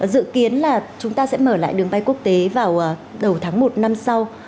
dự kiến là chúng ta sẽ mở lại đường bay quốc tế vào đầu tháng một năm sau